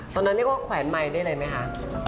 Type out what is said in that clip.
ตอนนั้นเรียกว่าแขวนไมค์ได้เลยไหมคะ